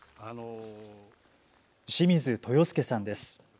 清水豊典さんです。